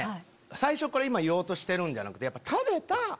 最初から今言おうとしてるんじゃなくて食べた。